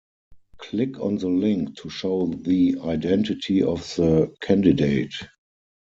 Click on the link to show the identity of the candidate.